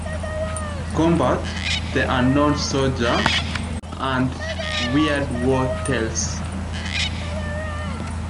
Combat", "The Unknown Soldier", and "Weird War Tales".